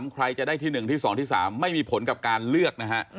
ใครจะได้ที่๑ที่๒ที่๓ไม่มีผลกับการเลือกนะฮะ